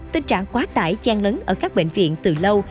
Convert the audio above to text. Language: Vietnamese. tình trạng quá tải chan lớn ở các bệnh viện từ lâu